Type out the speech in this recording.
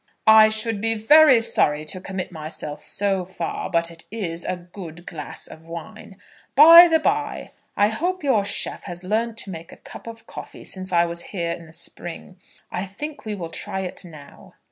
"I should be very sorry to commit myself so far; but it is a good glass of wine. By the bye, I hope your chef has learned to make a cup of coffee since I was here in the spring. I think we will try it now."